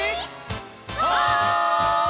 はい！